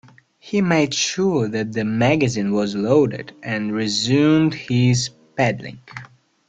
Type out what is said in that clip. He made sure that the magazine was loaded, and resumed his paddling.